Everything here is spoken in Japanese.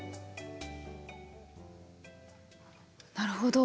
なるほど。